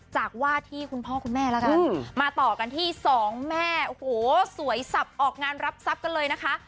จากว่าที่คุณพ่อคุณแม่แล้วกันมาต่อกันที่สองแม่โอ้โหสวยสับออกงานรับทรัพย์กันเลยนะคะ